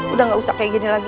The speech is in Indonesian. udah gak usah kayak gini lagi